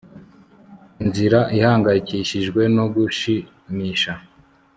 Inzira ihangayikishijwe no gushimisha